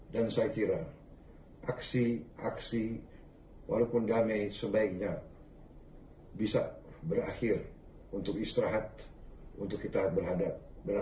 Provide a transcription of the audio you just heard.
dan saya kira aksi aksi walaupun damai sebaiknya bisa berakhir untuk istirahat untuk kita menghadapi besok